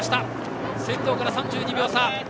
先頭から３２秒差。